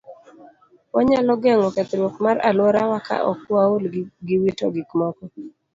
Wanyalo geng'o kethruok mar alworawa ka ok waol gi wito gik moko.